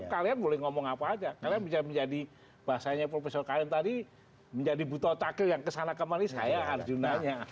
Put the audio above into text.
kalian boleh ngomong apa aja kalian bisa menjadi bahasanya profesor kalim tadi menjadi buto takil yang kesana kemari saya arjuna nya